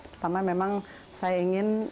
pertama memang saya ingin